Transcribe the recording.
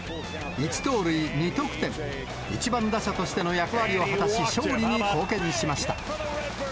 １盗塁２得点、１番打者としての役割を果たし、勝利に貢献しました。